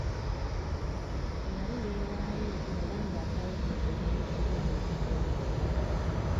Yali yeewayo era ng'afaayo ku buvunanyizibwa bwe mu kitongole.